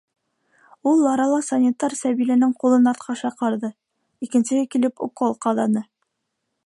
Ул арала санитар Сәбиләнең ҡулын артҡа шаҡарҙы, икенсеһе килеп укол ҡаҙаны.